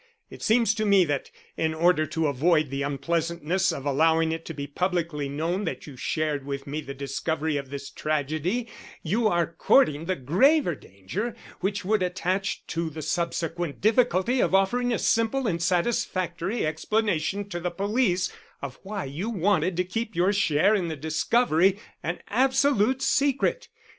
It seems to me that, in order to avoid the unpleasantness of allowing it to be publicly known that you shared with me the discovery of this tragedy, you are courting the graver danger which would attach to the subsequent difficulty of offering a simple and satisfactory explanation to the police of why you wanted to keep your share in the discovery an absolute secret.